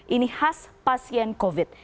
ini khas pasien covid